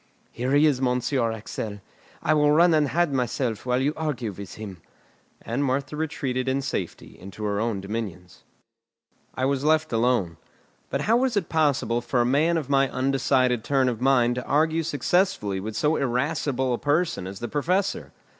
"Here he is, Monsieur Axel; I will run and hide myself while you argue with him." And Martha retreated in safety into her own dominions. I was left alone. But how was it possible for a man of my undecided turn of mind to argue successfully with so irascible a person as the Professor?